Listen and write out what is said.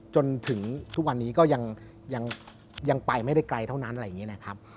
จนถึงทุกวันนี้ก็ยังไปไม่ได้ไกลเท่านั้นอะไรอย่างนี้นะครับ